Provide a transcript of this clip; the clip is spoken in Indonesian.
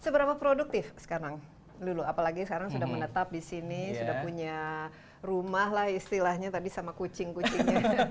seberapa produktif sekarang lulu apalagi sekarang sudah menetap di sini sudah punya rumah lah istilahnya tadi sama kucing kucingnya